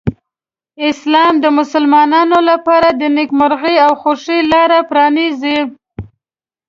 اسلام د مسلمانانو لپاره د نېکمرغۍ او خوښۍ لاره پرانیزي.